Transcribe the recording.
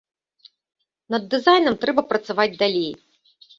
Над дызайнам трэба працаваць далей.